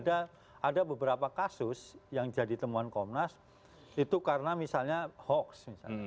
ada beberapa kasus yang jadi temuan komnas itu karena misalnya hoax